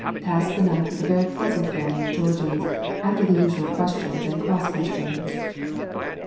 Passed the night with a very pleasant family of Georgians, after the usual questions and cross questions.